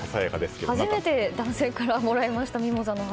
初めて男性からもらいましたミモザの花。